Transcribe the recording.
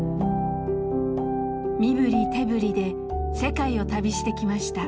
身振り手振りで世界を旅してきました。